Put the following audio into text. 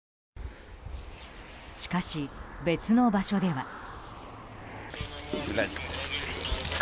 しかし、別の場所では。